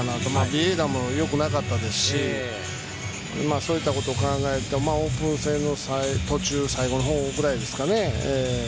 ビエイラもよくなかったですしそういったことを考えるとオープン戦の最後のほうぐらいですかね。